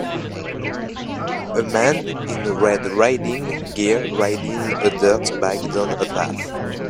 A man in red riding gear riding a dirt bike down a path